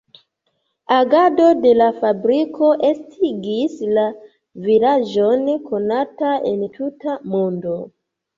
Agado de la fabriko estigis la vilaĝon konata en tuta mondo.